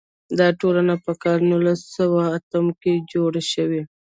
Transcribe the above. دا ټولنې په کال نولس سوه اتم کې جوړې شوې.